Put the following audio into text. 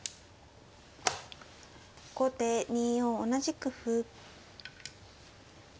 後手２四同じく歩。